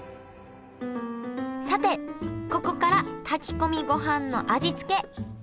さてここから炊き込みごはんの味付け。